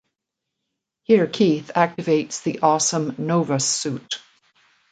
Here Keith activates the awesome Nova Suit.